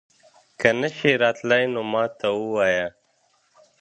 که نه شې راتلی نو ما ته ووايه